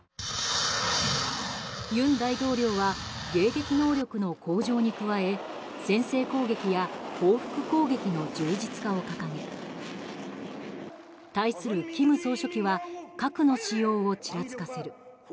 尹大統領は迎撃能力の向上に加え先制攻撃や報復攻撃の充実化を掲げ対する金総書記は核の使用をちらつかせる。